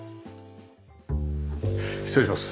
失礼します。